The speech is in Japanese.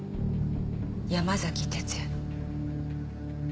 山崎哲也の。